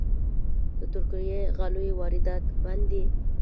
د ترکي غالیو واردات بند دي؟